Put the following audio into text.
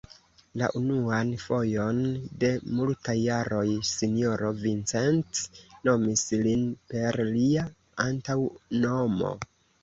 La unuan fojon de multaj jaroj sinjoro Vincent nomis lin per lia antaŭnomo.